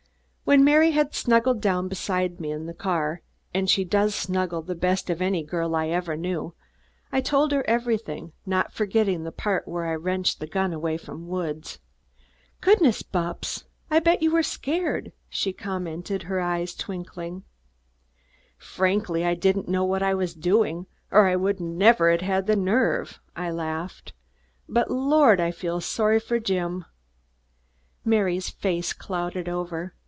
When Mary was snuggled down beside me in the car and she does snuggle the best of any girl I ever knew I told her everything, not forgetting the part where I wrenched the gun away from Woods. "Goodness, Bupps! I bet you were scared," she commented, her eyes twinkling. "Frankly, I didn't know what I was doing, or I would never have had the nerve," I laughed. "But, lord! I feel sorry for Jim." Mary's face clouded over.